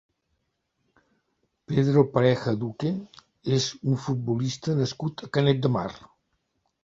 Pedro Pareja Duque és un futbolista nascut a Canet de Mar.